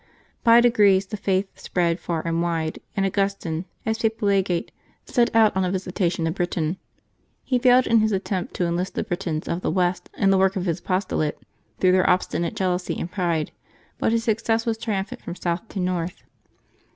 By degrees the Faith spread far and wide, and Augustine, as Papal Legate, set out on a visitation of Britain. He failed in his attempt to enlist the Britons of the west in the work of his apostolate, through their obstinate jealousy and pride ; but his success was triumphant from south to north.